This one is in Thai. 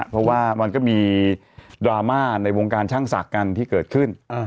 เพราะว่ามันก็มีดราม่าในวงการช่างศักดิ์ที่เกิดขึ้น